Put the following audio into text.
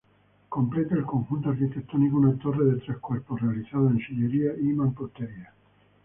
Completa el conjunto arquitectónico una torre de tres cuerpos, realizada en sillería y mampostería.